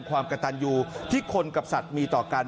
ความกระตันอยู่ที่คนกับสัตว์มีต่อกัน